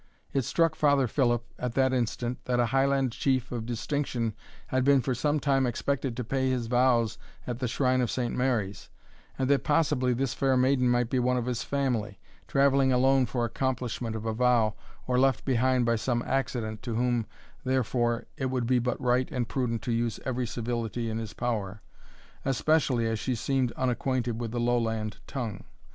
It struck Father Philip at that instant, that a Highland chief of distinction had been for some time expected to pay his vows at the shrine of Saint Mary's; and that possibly this fair maiden might be one of his family, travelling alone for accomplishment of a vow, or left behind by some accident, to whom, therefore, it would be but right and prudent to use every civility in his power, especially as she seemed unacquainted with the Lowland tongue.